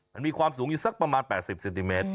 มันมีความสูงอยู่สักประมาณ๘๐เซนติเมตร